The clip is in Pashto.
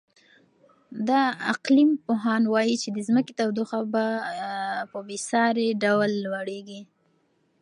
د اقلیم پوهان وایي چې د ځمکې تودوخه په بې ساري ډول لوړېږي.